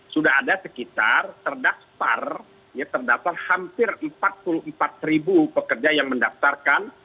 sudah ada sekitar terdaftar ya terdaftar hampir empat puluh empat pekerja yang mendaftarkan